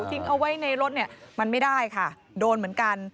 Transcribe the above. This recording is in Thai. ทิ้งเอาไว้ในรถเนี่ยมันไม่ได้ค่ะโดนเหมือนกัน